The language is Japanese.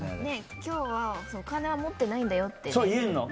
今日は、お金は持ってないんだよって言えるから。